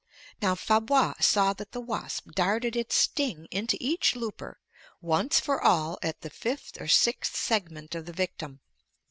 Now Fabre saw that the wasp darted its sting into each looper, "once for all at the fifth or sixth segment of the victim."